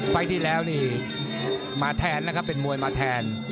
ที่แล้วนี่มาแทนนะครับเป็นมวยมาแทน